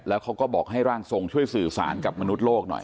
แล้วเขาก็บอกให้ร่างทรงช่วยสื่อสารกับมนุษย์โลกหน่อย